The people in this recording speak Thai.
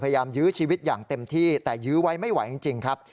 ยื้อชีวิตอย่างเต็มที่แต่ยื้อไว้ไม่ไหวจริงครับ